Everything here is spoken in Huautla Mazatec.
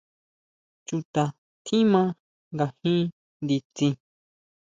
¿Chuta tjiman ngajin nditsin?